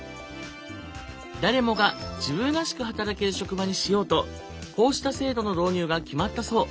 誰もが自分らしく働ける職場にしようとこうした制度の導入が決まったそう。